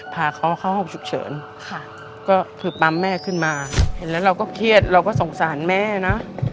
พาเขาเข้าห้องฉุกเฉินค่ะก็คือปั๊มแม่ขึ้นมาเห็นแล้วเราก็เครียดเราก็สงสารแม่นะ